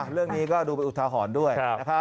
เรื่องนี้ก็ดูไปอุทาหอนด้วย